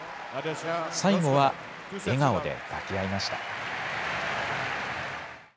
最後は笑顔で抱き合いました。